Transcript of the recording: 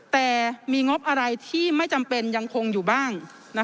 แต่มีงบอะไรที่ไม่จำเป็นยังคงอยู่บ้าง